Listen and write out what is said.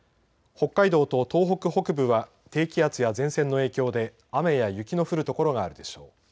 北海道と東北北部は低気圧や前線の影響で雨や雪の降る所があるでしょう。